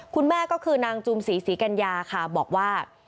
คุณแม่ก็คือนางจุ่มสีศรีกัณฑ์ญาบอกว่า